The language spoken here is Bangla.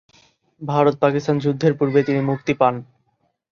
ভারত-পাকিস্তান যুদ্ধের পূর্বে তিনি মুক্তি পান।